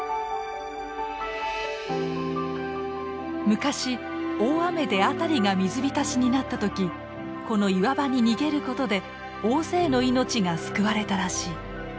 昔大雨で辺りが水浸しになった時この岩場に逃げることで大勢の命が救われたらしい。